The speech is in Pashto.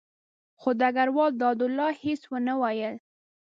خو ډګروال دادالله هېڅ ونه ویل.